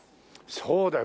そうだよ。